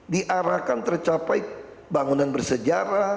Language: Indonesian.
diarahkan tercapai bangunan bersejarah